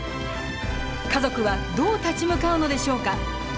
家族はどう立ち向かうのでしょうか。